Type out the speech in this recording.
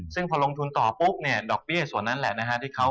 ซึ่งพอลงทุนต่อปุ๊บเนี่ยดอกเบี้ยส่วนนั้นแหละนะฮะ